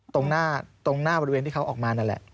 ตรงหน้าบริเวณที่เขาออกมานั่นแหละ